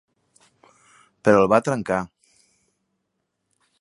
Però el va trencar.